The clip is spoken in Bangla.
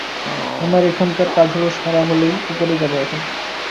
আমার এখানকার কাজ সারা হলেই উপরে যাব এখন।